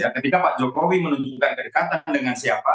ketika pak jokowi menentukan kedekatan dengan siapa